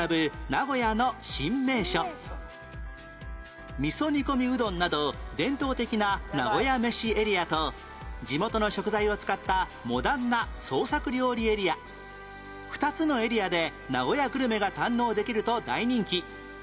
名古屋の新名所味噌煮込みうどんなど伝統的ななごやめしエリアと地元の食材を使ったモダンな創作料理エリア２つのエリアで名古屋グルメが堪能できると大人気